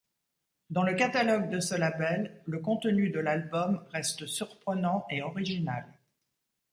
Dans le catalogue de ce label, le contenu de l'album reste surprenant et original.